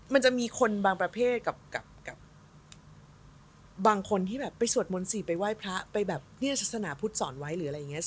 มันจะมีคนบางประเภทกับบางคนที่แบบไปสวดมนต์สิไปไหว้พระไปแบบเนี่ยศาสนาพุทธสอนไว้หรืออะไรอย่างนี้